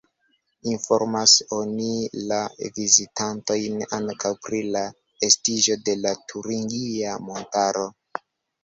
Informas oni la vizitantojn ankaŭ pri la estiĝo de la turingia montaro.